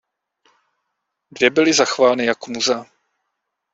Dvě byly zachovány jako muzea.